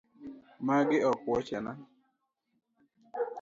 Magi ok wuochena .